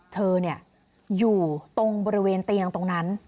เธออยู่ตรงบริเวณเตียงตรงนั้น